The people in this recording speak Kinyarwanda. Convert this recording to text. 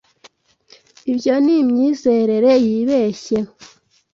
Ibyo ni imyizerere yibeshye.